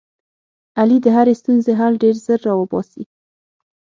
علي د هرې ستونزې حل ډېر زر را اوباسي.